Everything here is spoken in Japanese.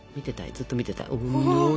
ずっと見てたい。